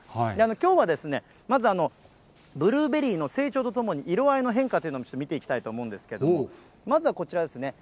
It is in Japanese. きょうはですね、まずブルーベリーの成長とともに、色合いの変化というのも、ちょっと見ていきたいと思うんですけれども、まずはこちらですね。